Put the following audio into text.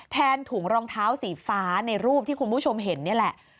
ถุงรองเท้าสีฟ้าในรูปที่คุณผู้ชมเห็นนี่แหละ